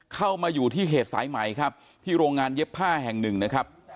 เข้ามาอยู่ที่เขตสายใหม่ครับที่โรงงานเย็บผ้าแห่งหนึ่งนะครับ